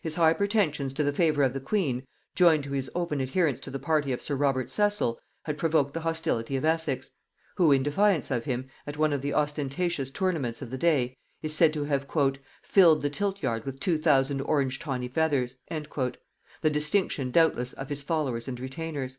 His high pretensions to the favor of the queen, joined to his open adherence to the party of sir Robert Cecil, had provoked the hostility of Essex; who, in defiance of him, at one of the ostentatious tournaments of the day, is said to have "filled the tilt yard with two thousand orange tawny feathers," the distinction doubtless of his followers and retainers.